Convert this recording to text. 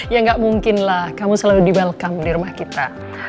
ya gak mungkinlah kamu selalu di welcome di rumah kita